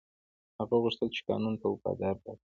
هغه غوښتل چې قانون ته وفادار پاتې شي.